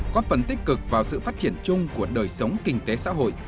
có phần tích cực vào sự phát triển chung của đời sống kinh tế xã hội